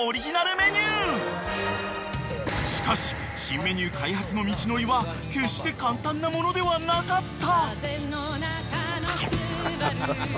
［しかし新メニュー開発の道のりは決して簡単なものではなかった］